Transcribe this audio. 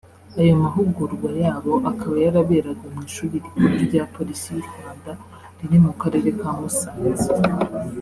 Ayo mahugurwa yabo akaba yaraberaga mu Ishuri rikuru rya Polisi y’u Rwanda riri mu karere ka Musanze